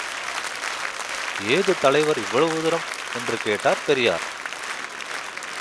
ஏது தலைவர் இவ்வளவு தூரம் என்று கேட்டார் பெரியார்.